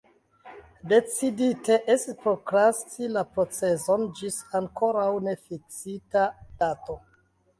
Decidite estis prokrasti la proceson ĝis ankoraŭ nefiksita dato.